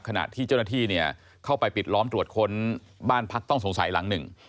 ขณะที่เจ้าหน้าที่เข้าไปปิดล้อมตรวจค้นบ้านพักต้องสงสัยหลังหนึ่ง